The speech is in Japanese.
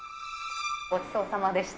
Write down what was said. ごちそうさまでした。